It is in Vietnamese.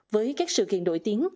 với các sự kiện nổi tiếng